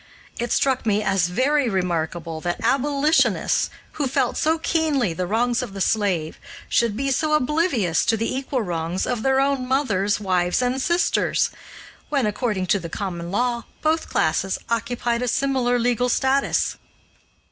It struck me as very remarkable that abolitionists, who felt so keenly the wrongs of the slave, should be so oblivious to the equal wrongs of their own mothers, wives, and sisters, when, according to the common law, both classes occupied a similar legal status.